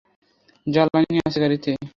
জ্বালানি আছে গাড়িতে।